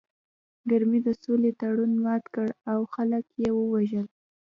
کرمي د سولې تړون مات کړ او خلک یې ووژل